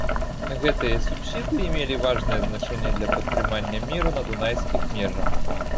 Гэтыя субсідыі мелі важнае значэнне для падтрымання міру на дунайскіх межах.